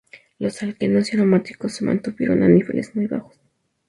Los alquenos y aromáticos se mantuvieron a niveles muy bajos.